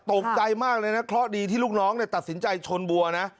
ตกใจมากเลยนะเคราะห์ดีที่ลูกน้องตัดสินใจชนบัวนะ